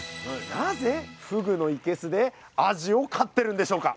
なぜふぐのいけすでアジを飼ってるんでしょうか？